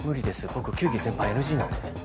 僕球技全般ＮＧなんで。